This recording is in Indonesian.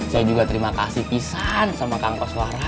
saya juga terima kasih pisang sama kangkos suara